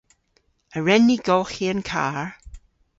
A wren ni golghi an karr?